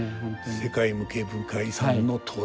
世界無形文化遺産の登録